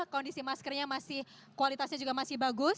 kondisi maskernya masih kualitasnya juga masih bagus